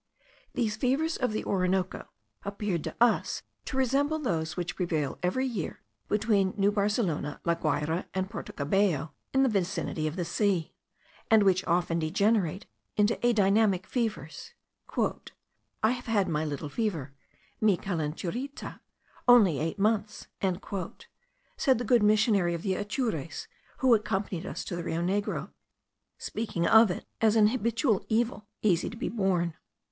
These fevers of the Orinoco appeared to us to resemble those which prevail every year between New Barcelona, La Guayra, and Porto Cabello, in the vicinity of the sea; and which often degenerate into adynamic fevers. "I have had my little fever (mi calenturita) only eight months," said the good missionary of the Atures, who accompanied us to the Rio Negro; speaking of it as of an habitual evil, easy to be borne.